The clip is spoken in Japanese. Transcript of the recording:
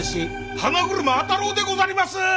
花車当郎でござります！